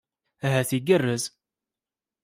Ahat igerrez.